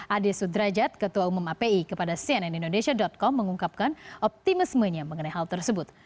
ade sudrajat ketua umum api kepada cnn indonesia com mengungkapkan optimismenya mengenai hal tersebut